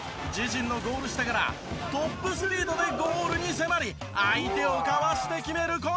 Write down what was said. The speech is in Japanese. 自陣のゴール下からトップスピードでゴールに迫り相手をかわして決める